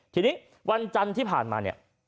ทีนี้วันจันทร์ที่ผ่านมาเนี่ย